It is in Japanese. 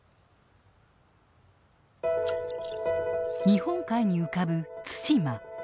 日本海に浮かぶ対馬。